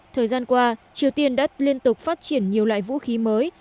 thời gian qua triều tiên đã liên tục phát triển nhiều loại vũ khí mới